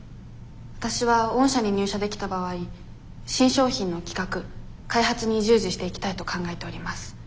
わたしは御社に入社できた場合新商品の企画・開発に従事していきたいと考えております。